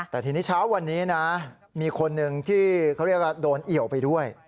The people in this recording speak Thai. แต่ทีนี้เช้าวันนี้นะมีคนหนึ่งที่เขาเรียกว่าโดนเอี่ยวไปด้วย